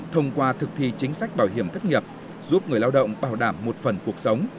thông qua thực thi chính sách bảo hiểm thất nghiệp giúp người lao động bảo đảm một phần cuộc sống